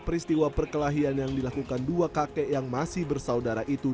peristiwa perkelahian yang dilakukan dua kakek yang masih bersaudara itu